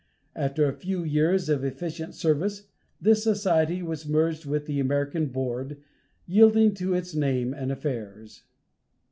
After a few years of efficient service this society was merged with the American Board, yielding to it its name and affairs.